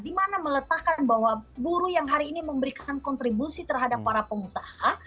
dimana meletakkan bahwa buruh yang hari ini memberikan kontribusi terhadap para pengusaha